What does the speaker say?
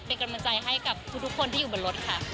เป็นกำลังใจให้กับทุกคนที่อยู่บนรถค่ะ